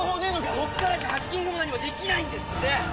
こっからじゃハッキングも何もできなんですって！